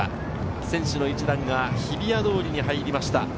選手の一団が日比谷通りに入りました。